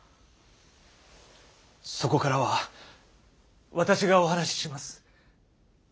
そこからは私がお話しします。